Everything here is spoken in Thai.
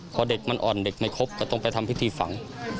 พอเด็กมันอ่อนเด็กไม่ครบก็ต้องไปทำพิธีฝัง